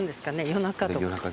夜中とか。